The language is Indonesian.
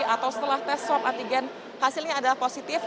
atau setelah tes swab antigen hasilnya adalah positif